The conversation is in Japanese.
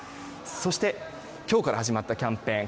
そして、今日から始まったキャンペーン。